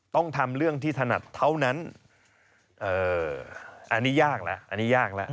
ต้องทำเรื่องที่ถนัดเท่านั้นอันนี้ยากแล้วอันนี้ยากแล้ว